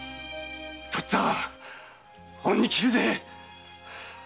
父っつぁん恩に着るぜ。